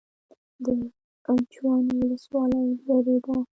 د جوند ولسوالۍ لیرې ده